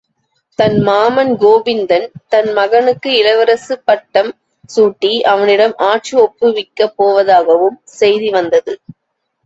தன் மாமன் கோவிந்தன் தன் மகனுக்கு இளவரசு பட்டம் சூட்டி அவனிடம் ஆட்சி ஒப்புவிக்கப் போவதாகவும் செய்தி வந்தது.